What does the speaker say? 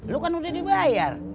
lo kan udah dibayar